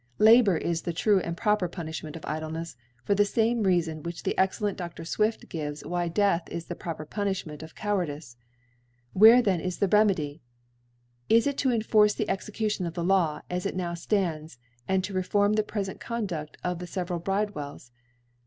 La b3Ut is the tcue and proper Puni(hment of Idlenefs, for the fame Rdafon which the ex* cellent Dr. Swifi gives why Death is the proper Punilhment of Cowardice* Where then is the Remedy ? Is it to enforce the Execution of the Law as it now (lands, and to reform the prefent Conduft of the feve ral Bridewells